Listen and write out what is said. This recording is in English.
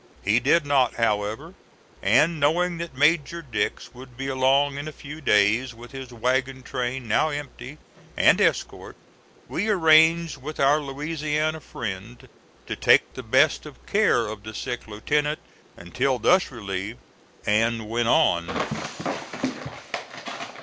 He did not, however, and knowing that Major Dix would be along in a few days, with his wagon train, now empty, and escort, we arranged with our Louisiana friend to take the best of care of the sick lieutenant until thus relieved, and went on.